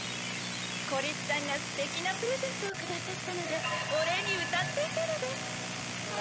こりすさんがステキなプレゼントをくださったのでおれいにうたっていたのです。